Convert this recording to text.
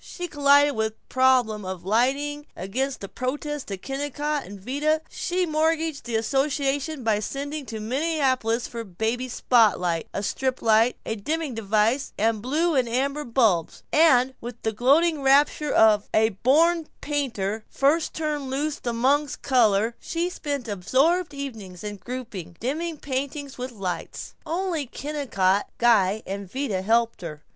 She collided with the problem of lighting. Against the protest of Kennicott and Vida she mortgaged the association by sending to Minneapolis for a baby spotlight, a strip light, a dimming device, and blue and amber bulbs; and with the gloating rapture of a born painter first turned loose among colors, she spent absorbed evenings in grouping, dimming painting with lights. Only Kennicott, Guy, and Vida helped her.